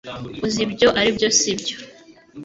Uzi ibyo aribyo sibyo